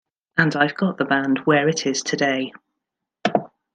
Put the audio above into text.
And I've got the band where it is today.